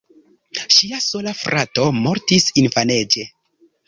Ŝia sola frato mortis infanaĝe.